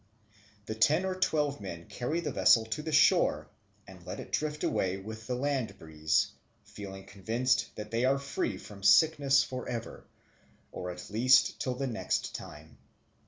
Then ten or twelve men carry the vessel to the shore, and let it drift away with the land breeze, feeling convinced that they are free from sickness for ever, or at least till the next time.